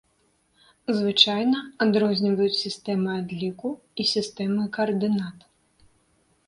Звычайна адрозніваюць сістэмы адліку і сістэмы каардынат.